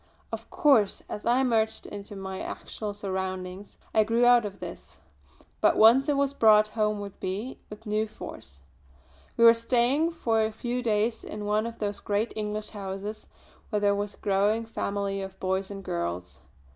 Of course as I merged into my actual surroundings I grew out of this; but once it was brought home to me with new force. We were staying for a few days in one of those great English houses where there was a growing family of boys and girls.